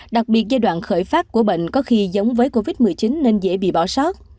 đặc biệt giai đoạn khởi phát của bệnh có khi giống với covid một mươi chín nên dễ bị bỏ sót